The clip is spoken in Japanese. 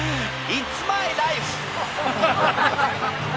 イッツ・マイ・ライフ！